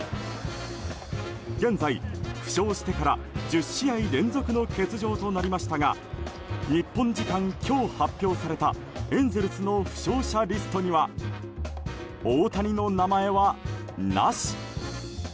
現在、負傷してから１０試合連続欠場となりましたが日本時間今日、発表されたエンゼルスの負傷者リストには大谷の名前は、なし。